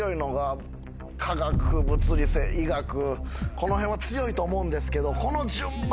このへんは強いと思うんですけど。